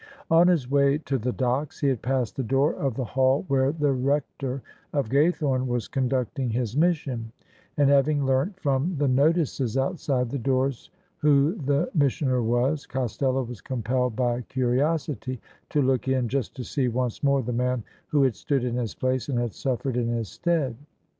On his way to the docks he had passed the door of the hall where the Rector of Gaythome was conducting his mission; and, having learnt from the notices outside the doors who the missioner was, Costello was compelled by curi osity to look in just to see once n^ore the man who had stood in his place and had suffered in his stead.